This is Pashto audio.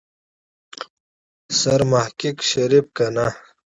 سرمحقق شريف کنه.